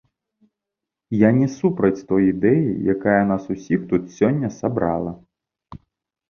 Я не супраць той ідэі, якая нас усіх тут сёння сабрала.